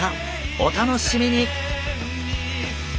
お楽しみに！